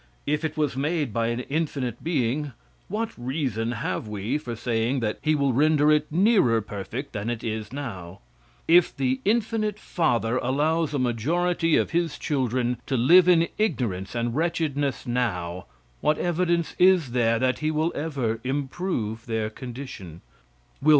If it was made by an infinite being, what reason have we for saying that he will render it nearer perfect than it now is? If the infinite Father allows a majority of his children to live in ignorance and wretchedness now, what evidence is there that he will ever improve their condition?